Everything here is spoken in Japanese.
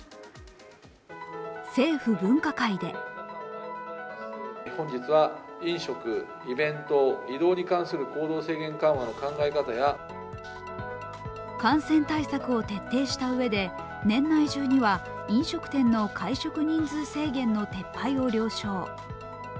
政府分科会で感染対策を徹底したうえで、年内中には飲食店での会食人数制限の撤廃を了承。